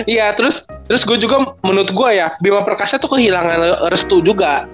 ya terus menurut gue ya bima perkasa tuh kehilangan restu juga